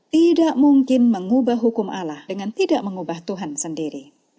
tidak mungkin mengubah hukum allah dengan tidak mengubah tuhan sendiri